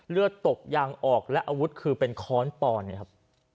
เลือดตกยางออกและอาวุธคือเป็นค้อนปอนนะครับ